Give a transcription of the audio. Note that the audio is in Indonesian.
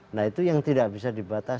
nah itu yang tidak bisa dibatasi